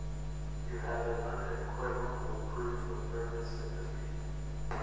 You have an unequivocal proof of nervous sympathy.